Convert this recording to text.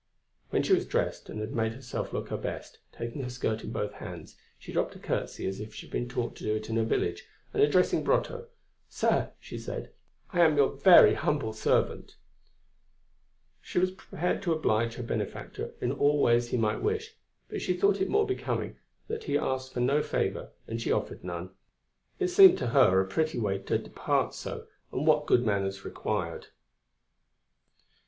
When she was dressed and had made herself look her best, taking her skirt in both hands, she dropped a curtsey as she had been taught to do in her village, and addressing Brotteaux: "Sir," she said, "I am your very humble servant." She was prepared to oblige her benefactor in all ways he might wish, but she thought it more becoming that he asked for no favour and she offered none; it seemed to her a pretty way to part so, and what good manners required.